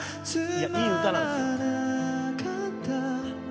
いやいい歌なんですよ。